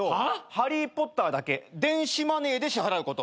『ハリー・ポッター』だけ電子マネーで支払うこと。